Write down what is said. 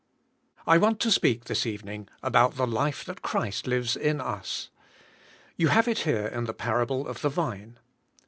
I want to speak, this evening , about the life that Christ lives in us. You have it here in the parable of the vine.